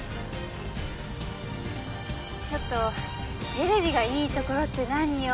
「テレビがいいところ」って何よ？